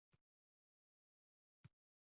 Ismoil avvalroq harakat qilib, to'g'rilab qo'ydi.